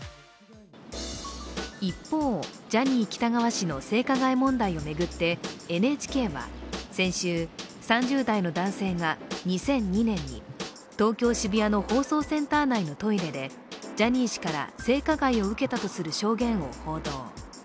一方、ジャニー喜多川氏の性加害問題を巡ってＮＨＫは先週、３０代の男性が２００２年に東京・渋谷の放送センター内のトイレでジャニー氏から性加害を受けたとする証言を報道。